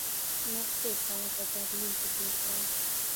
موږ څو کاله په برلین کې تېر کړل